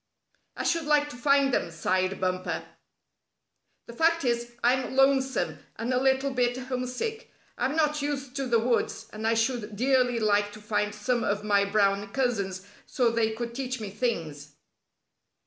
"I should like to find them," sighed Bumper. "The fact is, I'm lonesome, and a little bit homesick. I'm not used to the woods, and I should dearly like to find some of my brown cousins so they could teach me things."